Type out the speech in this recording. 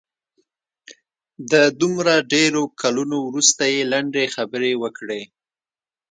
د دومره ډېرو کلونو وروسته یې لنډې خبرې وکړې.